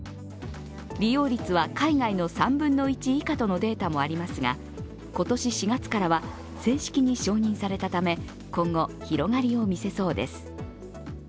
利用率は海外の３分の１以下とのデータもありますが今年４月からは正式に承認されたため、今後広がりを見せそうです。